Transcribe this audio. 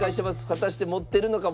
果たして持ってるのか？